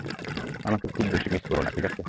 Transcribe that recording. আমাকে বেশি মিস করো না ঠিকাছে?